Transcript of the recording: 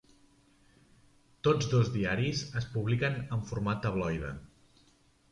Tots dos diaris es publiquen en format tabloide.